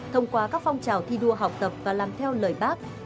thông qua các phong trào thi đua học tập và làm theo lời bác